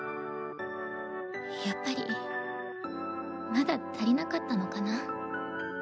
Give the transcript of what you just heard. やっぱりまだ足りなかったのかな。